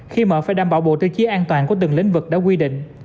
khi mở phải đảm bảo bộ tiêu chí an toàn của từng lĩnh vực đã quy định